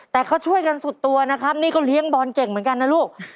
แต่เขาช่วยกันสุดตัวนะครับนี่ก็เลี้ยงบอลเก่งเหมือนกันนะลูก